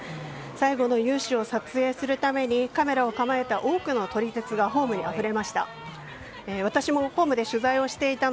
最後の雄姿を撮影するためカメラを構えた多くの撮り鉄がホームにあふれました。